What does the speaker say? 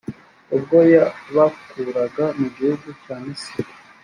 ubwo yabakuraga mu gihugu cya misiri.